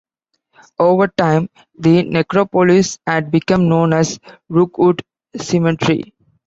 Over time, the necropolis had become known as Rookwood Cemetery.